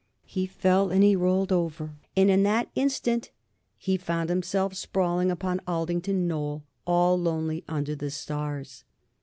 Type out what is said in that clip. He fell and he rolled over, and in that instant he found himself sprawling upon Aldington Knoll, all lonely under the stars.